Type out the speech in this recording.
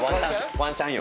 ワンシャンよ。